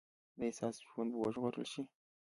ایا ستاسو ژوند به وژغورل شي؟